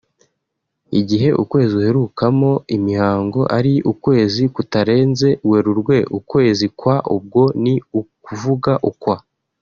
Igihe ukwezi uherukamo imihango ari ukwezi kutarenze Werurwe (ukwezi kwa ubwo ni ukuvuga ukwa